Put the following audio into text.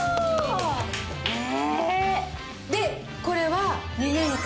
でこれは２年間。